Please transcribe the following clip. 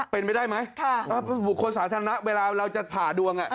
เป็นไปได้ไหมบุคคลสาธารณะเวลาเราจะผ่าดวง